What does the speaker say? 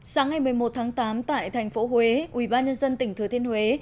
sáng ngày một mươi một tháng tám tại thành phố huế ubnd tỉnh thừa thiên huế